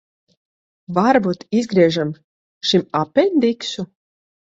Varbūt izgriežam šim apendiksu?